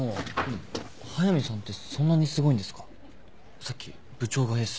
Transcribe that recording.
さっき部長がエースって。